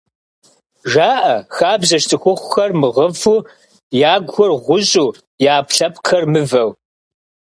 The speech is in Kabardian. Жаӏэ хабзэщ цӏыхухъухэр мыгъыфу, ягухэр гъущӏу я ӏэпкълъэпкъхэр мываэу…